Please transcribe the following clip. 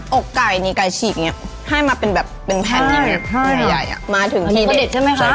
เอาไก่นี้ไก่ฉีกนี้ให้มาเป็นแบบเป็นแผ่นขนาดใหญ่